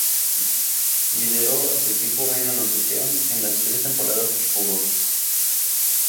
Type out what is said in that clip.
Lideró a su equipo en anotación en las tres temporadas que jugó.